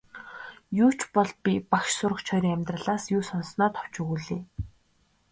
Юу ч бол би багш сурагч хоёрын амьдралаас юу сонссоноо товч өгүүлье.